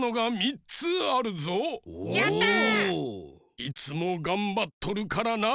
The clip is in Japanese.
いつもがんばっとるからな。